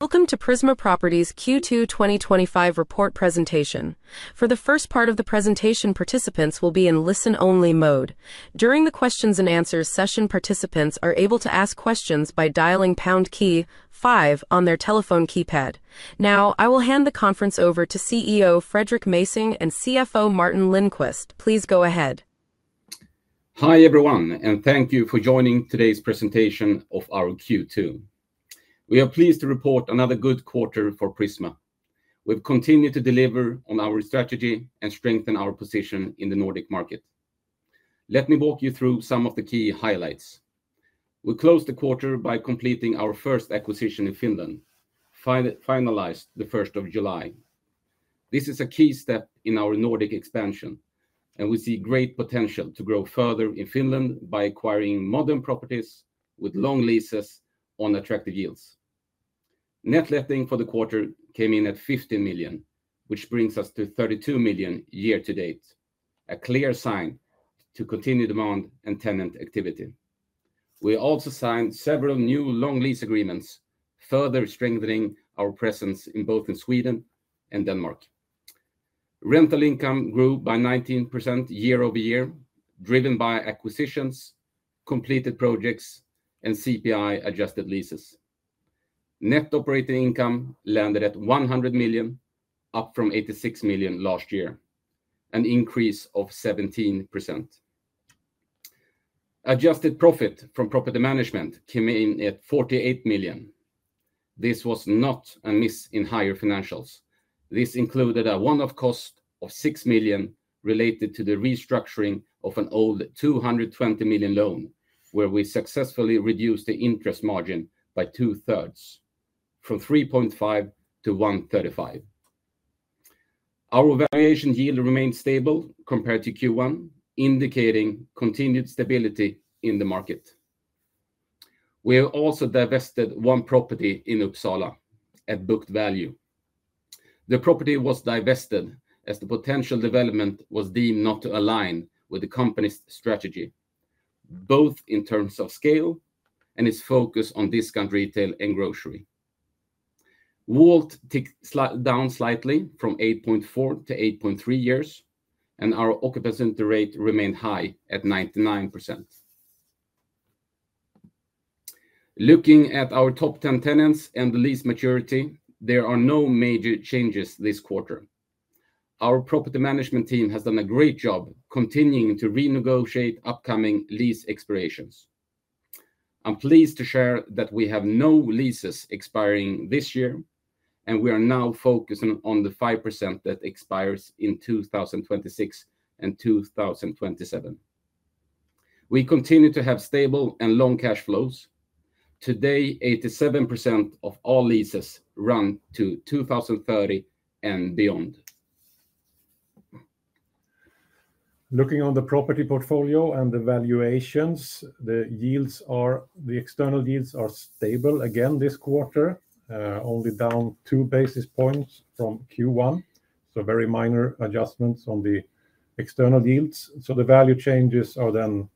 Welcome to Prisma Properties' Q2 2025 report presentation. For the first part of the presentation, participants will be in listen-only mode. During the questions and answers session, participants are able to ask questions by dialing the pound key five on their telephone keypad. Now, I will hand the conference over to CEO Fredrik Mässing and CFO Martin Lindqvist. Please go ahead. Hi everyone, and thank you for joining today's presentation of our Q2. We are pleased to report another good quarter for Prisma. We've continued to deliver on our strategy and strengthen our position in the Nordic market. Let me walk you through some of the key highlights. We closed the quarter by completing our first acquisition in Finland, finalized the 1st of July. This is a key step in our Nordic expansion, and we see great potential to grow further in Finland by acquiring modern properties with long leases on attractive yields. Net letting for the quarter came in at 15 million, which brings us to 32 million year to date, a clear sign to continue demand and tenant activity. We also signed several new long lease agreements, further strengthening our presence in both Sweden and Denmark. Rental income grew by 19% year over year, driven by acquisitions, completed projects, and CPI-adjusted leases. Net operating income landed at 100 million, up from 86 million last year, an increase of 17%. Adjusted profit from property management came in at 48 million. This was not a miss in higher financials. This included a one-off cost of 6 million related to the restructuring of an old 220 million loan, where we successfully reduced the interest margin by 2/3, from 3.5% to 1.35%. Our valuation yield remained stable compared to Q1, indicating continued stability in the market. We have also divested one property in Uppsala at booked value. The property was divested as the potential development was deemed not to align with the company's strategy, both in terms of scale and its focus on discount retail and grocery. WALT ticked down slightly from 8.4 to 8.3 years, and our occupancy rate remained high at 99%. Looking at our top 10 tenants and the lease maturity, there are no major changes this quarter. Our property management team has done a great job continuing to renegotiate upcoming lease expirations. I'm pleased to share that we have no leases expiring this year, and we are now focusing on the 5% that expires in 2026 and 2027. We continue to have stable and long cash flows. Today, 87% of all leases run to 2030 and beyond. Looking on the property portfolio and the valuations, the yields are, the external yields are stable again this quarter, only down 2 basis points from Q1, so very minor adjustments on the external yields. The value changes are then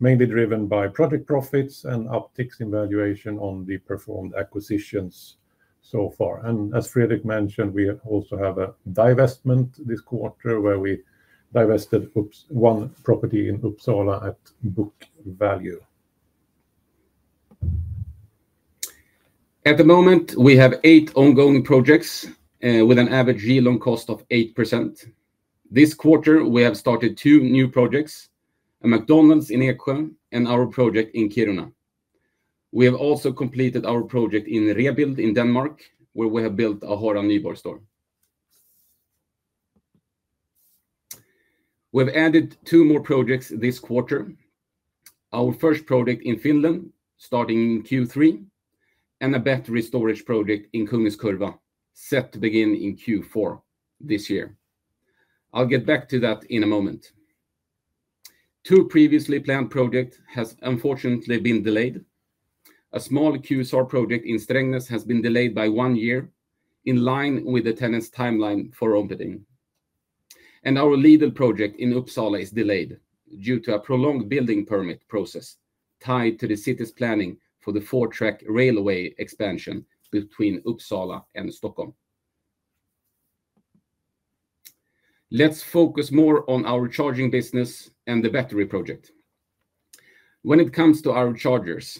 mainly driven by project profits and upticks in valuation on the performed acquisitions so far. As Fredrik mentioned, we also have a divestment this quarter where we divested one property in Uppsala at book value. At the moment, we have eight ongoing projects with an average yield on cost of 8%. This quarter, we have started two new projects: a McDonald’s in Eksjö and our project in Kiruna. We have also completed our project in Rebild in Denmark, where we have built a Hår & Nyborg store. We have added two more projects this quarter: our first project in Finland, starting in Q3, and a battery storage project in Kungens Kurva, set to begin in Q4 this year. I’ll get back to that in a moment. Two previously planned projects have unfortunately been delayed. A small QSR project in Strängnäs has been delayed by one year, in line with the tenant’s timeline for opening. Our Lidl project in Uppsala is delayed due to a prolonged building permit process tied to the city’s planning for the four-track railway expansion between Uppsala and Stockholm. Let’s focus more on our charging business and the battery project. When it comes to our chargers,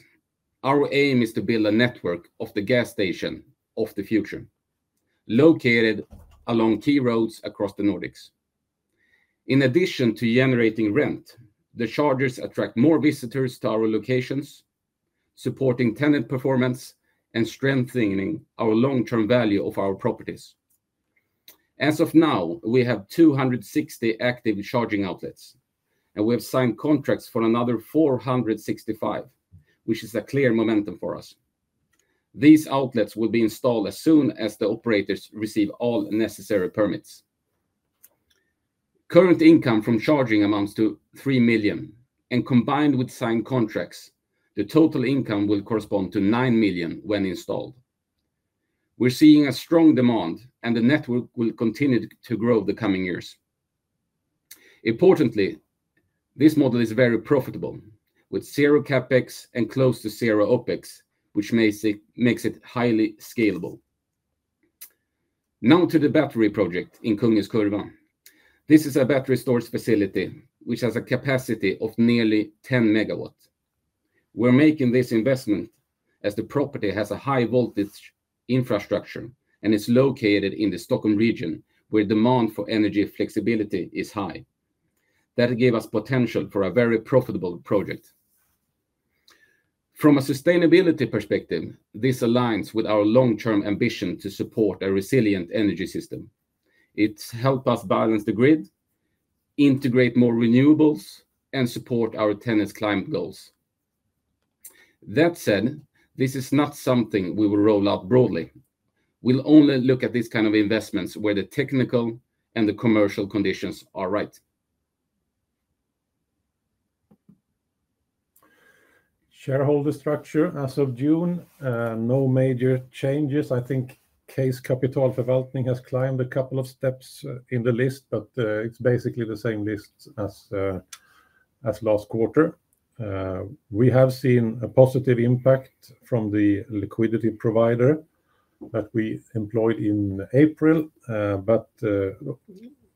our aim is to build a network of the gas station of the future, located along key roads across the Nordics. In addition to generating rent, the chargers attract more visitors to our locations, supporting tenant performance and strengthening our long-term value of our properties. As of now, we have 260 active charging outlets, and we have signed contracts for another 465, which is a clear momentum for us. These outlets will be installed as soon as the operators receive all necessary permits. Current income from charging amounts to 3 million, and combined with signed contracts, the total income will correspond to 9 million when installed. We’re seeing a strong demand, and the network will continue to grow the coming years. Importantly, this model is very profitable, with zero CapEx and close to zero OpEx, which makes it highly scalable. Now to the battery project in Kungens Kurva. This is a battery storage facility which has a capacity of nearly 10 MW. We’re making this investment as the property has a high voltage infrastructure and is located in the Stockholm region, where demand for energy flexibility is high. That gives us potential for a very profitable project. From a sustainability perspective, this aligns with our long-term ambition to support a resilient energy system. It helps us balance the grid, integrate more renewables, and support our tenant’s climate goals. That said, this is not something we will roll out broadly. We’ll only look at these kinds of investments where the technical and the commercial conditions are right. Shareholder structure as of June, no major changes. I think Case Kapitalförvaltning has climbed a couple of steps in the list, but it's basically the same list as last quarter. We have seen a positive impact from the liquidity provider that we employed in April, but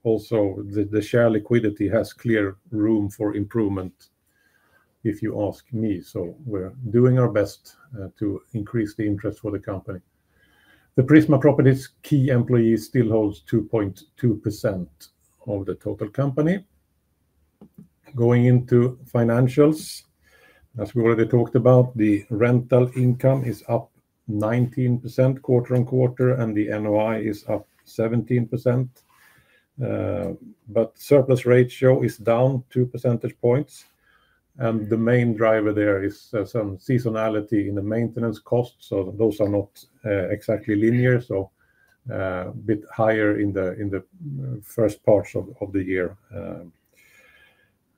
also the share liquidity has clear room for improvement, if you ask me. We're doing our best to increase the interest for the company. The Prisma Properties' key employees still hold 2.2% of the total company. Going into financials, as we already talked about, the rental income is up 19% quarter on quarter, and the NOI is up 17%. Surplus ratio is down two percentage points, and the main driver there is some seasonality in the maintenance costs. Those are not exactly linear, so a bit higher in the first parts of the year.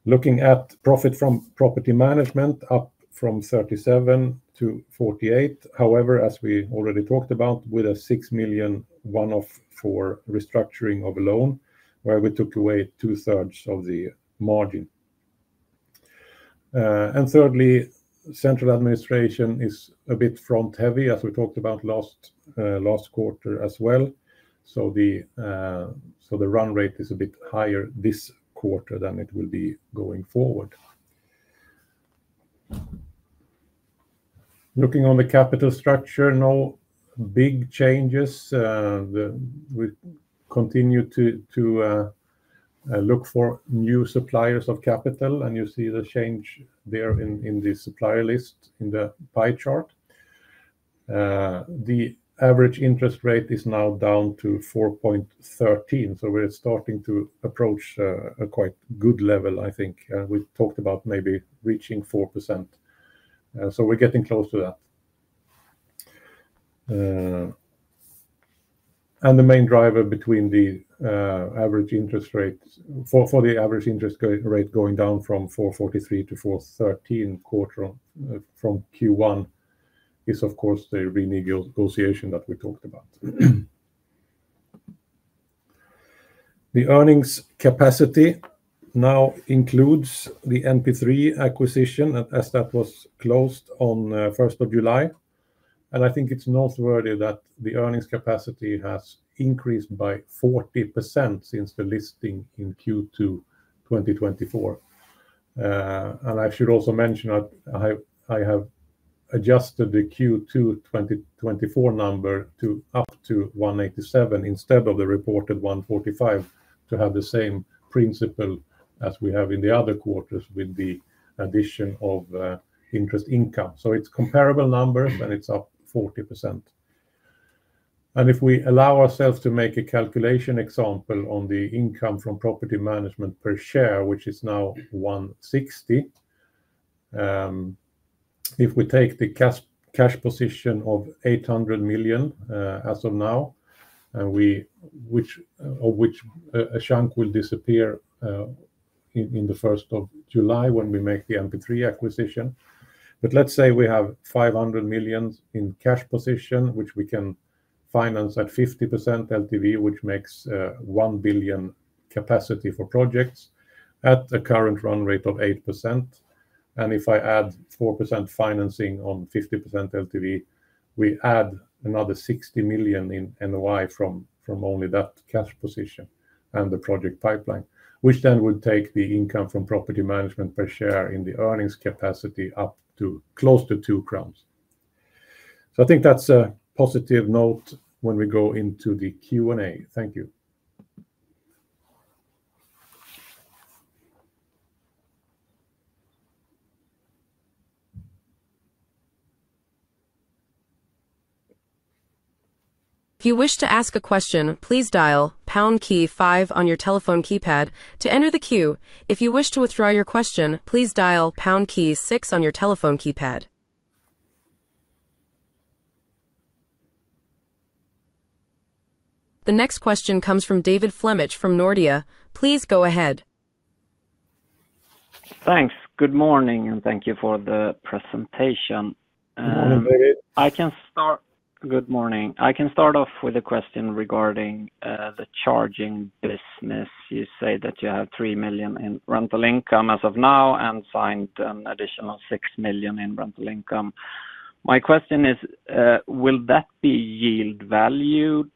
Looking at profit from property management, up from 37 to 48. However, as we already talked about, with a 6 million one-off for restructuring of a loan where we took away 2/3 of the margin. Thirdly, central administration is a bit front heavy, as we talked about last quarter as well. The run rate is a bit higher this quarter than it will be going forward. Looking on the capital structure, no big changes. We continue to look for new suppliers of capital, and you see the change there in the supplier list in the pie chart. The average interest rate is now down to 4.13%, so we're starting to approach a quite good level, I think. We've talked about maybe reaching 4%. We're getting close to that. The main driver between the average interest rate going down from 4.43% to 4.13% from Q1 is, of course, the renewal negotiation that we talked about. The earnings capacity now includes the NP3 acquisition, as that was closed on 1st of July. I think it's noteworthy that the earnings capacity has increased by 40% since the listing in Q2 2024. I should also mention that I have adjusted the Q2 2024 number up to 187 instead of the reported 145 to have the same principle as we have in the other quarters with the addition of interest income. It's comparable numbers and it's up 40%. If we allow ourselves to make a calculation example on the income from property management per share, which is now 160, if we take the cash position of 800 million as of now, which a chunk will disappear in the 1st of July when we make the NP3 acquisition. Let's say we have 500 million in cash position, which we can finance at 50% LTV, which makes 1 billion capacity for projects at the current run rate of 8%. If I add 4% financing on 50% LTV, we add another 60 million in net operating income from only that cash position and the project pipeline, which then would take the income from property management per share in the earnings capacity up to close to two crowns. I think that's a positive note when we go into the Q&A. Thank you. If you wish to ask a question, please dial pound key five on your telephone keypad to enter the queue. If you wish to withdraw your question, please dial pound key six on your telephone keypad. The next question comes from David Flemmich from Nordea. Please go ahead. Thanks. Good morning and thank you for the presentation. Good morning. I can start off with a question regarding the charging business. You say that you have 3 million in rental income as of now and signed an additional 6 million in rental income. My question is, will that be yield valued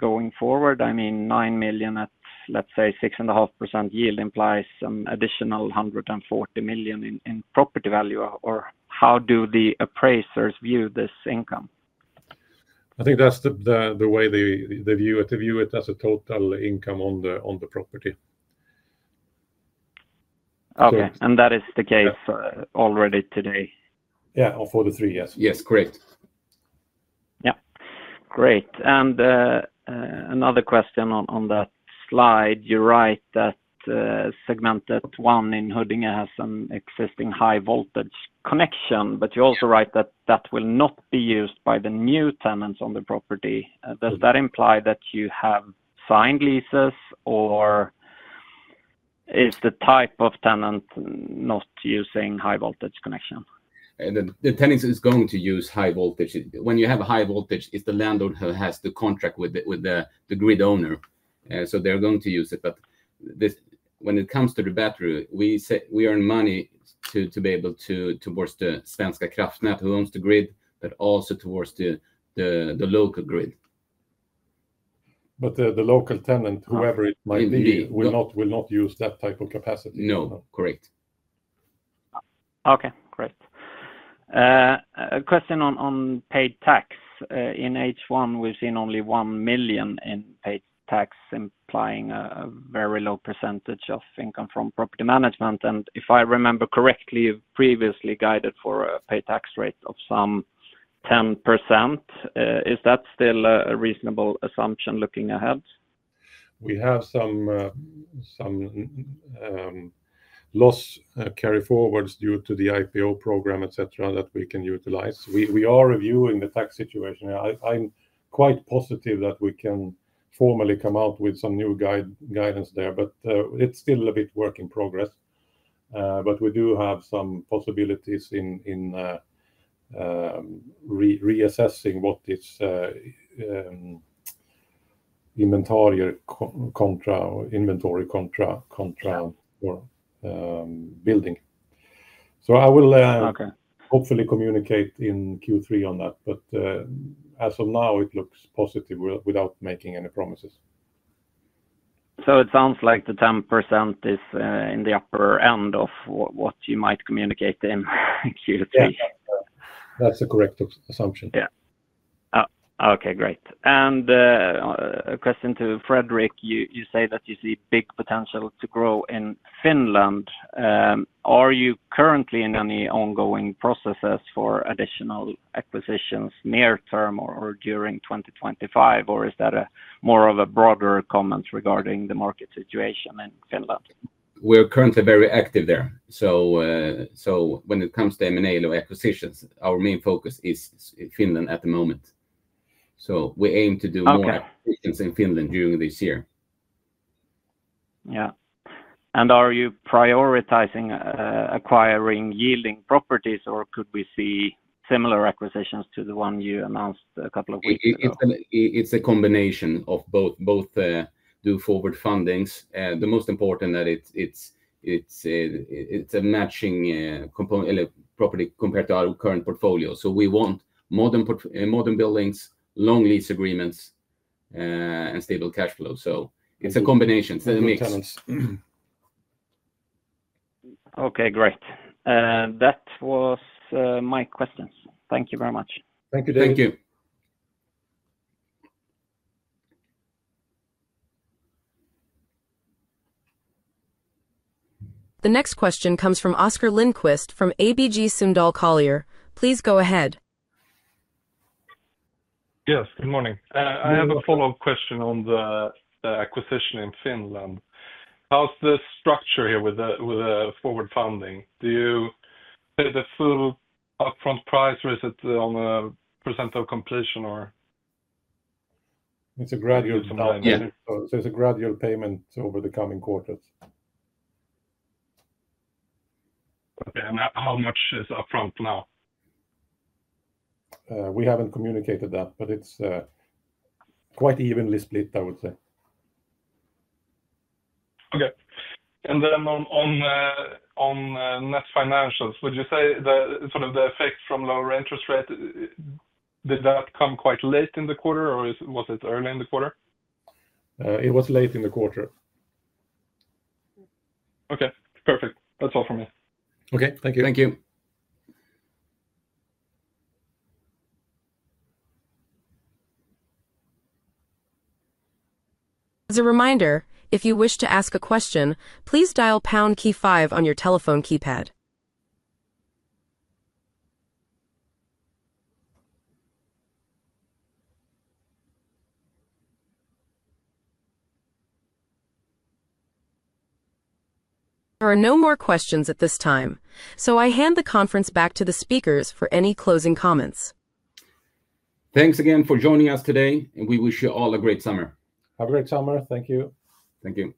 going forward? I mean, 9 million at, let's say, 6.5% yield implies some additional 140 million in property value, or how do the appraisers view this income? I think that's the way they view it. They view it as a total income on the property. Okay. Is that the case already today? Of all the three, yes. Yes, correct. Great. Another question on that slide. You write that segmented one in Huddinge has an existing high voltage connection, but you also write that that will not be used by the new tenants on the property. Does that imply that you have signed leases, or is the type of tenant not using high voltage connection? The tenant is going to use high voltage. When you have high voltage, it's the landlord who has the contract with the grid owner. They're going to use it. When it comes to the battery, we earn money to be able to work with Svenska Kraftnät, who owns the grid, but also towards the local grid. The local tenant, whoever it might be, will not use that type of capacity. No, correct. Okay, great. A question on paid tax. In H1, we've seen only 1 million in paid tax, implying a very low percentage of income from property management. If I remember correctly, you previously guided for a paid tax rate of some 10%. Is that still a reasonable assumption looking ahead? We have some loss carry forwards due to the IPO program, etc., that we can utilize. We are reviewing the tax situation. I'm quite positive that we can formally come out with some new guidance there, although it's still a bit work in progress. We do have some possibilities in reassessing what this inventory contract or building is. I will hopefully communicate in Q3 on that. As of now, it looks positive without making any promises. It sounds like the 10% is in the upper end of what you might communicate in Q3. That's a correct assumption. Okay, great. A question to Fredrik. You say that you see big potential to grow in Finland. Are you currently in any ongoing processes for additional acquisitions near term or during 2025, or is that more of a broader comment regarding the market situation in Finland? We're currently very active there. When it comes to M&A acquisitions, our main focus is Finland at the moment. We aim to do more acquisitions in Finland during this year. Are you prioritizing acquiring yielding properties, or could we see similar acquisitions to the one you announced a couple of weeks ago? It's a combination of both. Both do forward fundings. The most important is that it's a matching property compared to our current portfolio. We want modern buildings, long lease agreements, and stable cash flows. It's a combination. It's a mix. Okay, great. That was my questions. Thank you very much. Thank you, David. Thank you. The next question comes from Oscar Lindqvist from ABG Sundal Collier. Please go ahead. Yes, good morning. I have a follow-up question on the acquisition in Finland. How's the structure here with the forward funding? Do you pay the full upfront price, or is it on a percent of completion, or? It's a gradual payment over the coming quarters. Okay. How much is upfront now? We haven't communicated that, but it's quite evenly split, I would say. Okay. On net financials, would you say that sort of the effect from lower interest rate, did that come quite late in the quarter, or was it early in the quarter? It was late in the quarter. Okay, perfect. That's all for me. Okay, thank you. Thank you. As a reminder, if you wish to ask a question, please dial the pound key five on your telephone keypad. There are no more questions at this time. I hand the conference back to the speakers for any closing comments. Thanks again for joining us today, and we wish you all a great summer. Have a great summer. Thank you. Thank you.